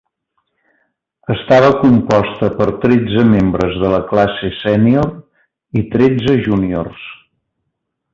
Estava composta per tretze membres de la classe sènior i tretze juniors.